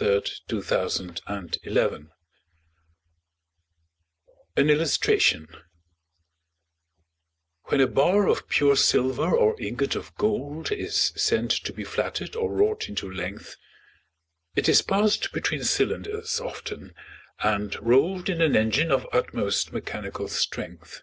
William Cowper The Flatting Mill An Illustration WHEN a bar of pure silver or ingot of gold Is sent to be flatted or wrought into length, It is pass'd between cylinders often, and roll'd In an engine of utmost mechanical strength.